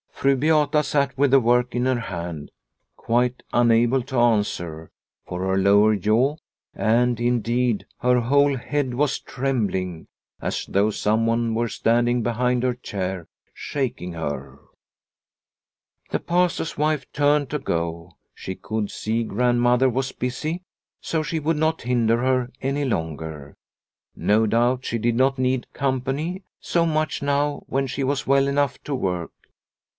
Fru Beata sat with the work in her hand, quite unable to answer, for her lower jaw, and indeed her whole head, was trembling as though some one were standing behind her chair shaking her. The Pastor's wife turned to go. She could see Grandmother was busy, so she would not hinder her any longer ; no doubt she did not need company so much now when she was well enough to work.